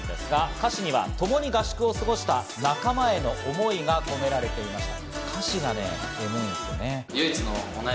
歌詞にはともに合宿を過ごした仲間への思いが込められていました。